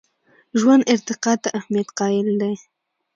ژوند ارتقا ته اهمیت قایل دی.